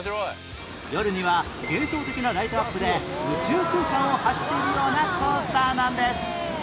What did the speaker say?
夜には幻想的なライトアップで宇宙空間を走っているようなコースターなんです